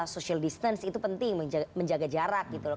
social distance itu penting menjaga jarak gitu loh